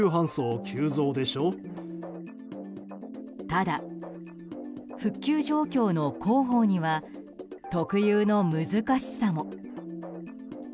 ただ、復旧状況の広報には特有の難しさも。